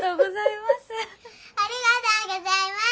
ありがとうございます。